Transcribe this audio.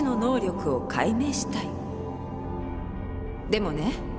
でもね